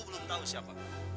belum tau siapa